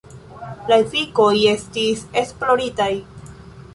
La efikoj estis esploritaj.